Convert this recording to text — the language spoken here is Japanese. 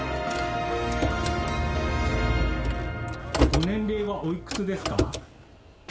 ご年齢はおいくつですか？